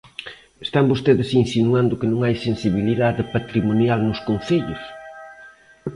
¿Están vostedes insinuando que non hai sensibilidade patrimonial nos concellos?